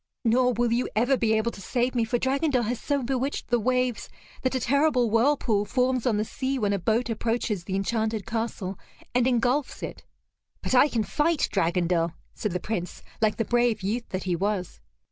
Nor will you ever be able to save me, for Dragondel has so bewitched the waves that a terrible whirlpool forms on the sea when a boat approaches the enchanted castle, and engulfs it." "But I can fight Dragondel," said the Prince, like the brave youth that he was.